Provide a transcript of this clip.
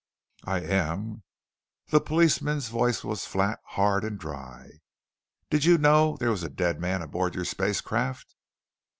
"I am." The policeman's voice was flat, hard, and dry. "Did you know there was a dead man aboard your spacecraft?"